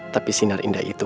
tapi sinar indah itu